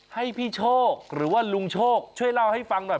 ให้พี่โชคหรือว่าลุงโชคช่วยเล่าให้ฟังหน่อย